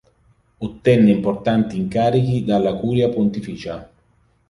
Ottenne importanti incarichi dalla curia pontificia.